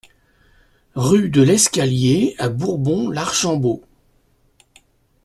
Rue de l'Escalier à Bourbon-l'Archambault